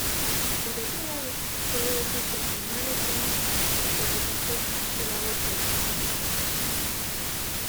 Por otro lado, puede decirse que Mannerheim sobrepasó su labor política.